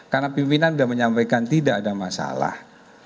karena pimpinan sudah menyampaikan tidak ada masalah